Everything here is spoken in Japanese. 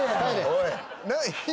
おい。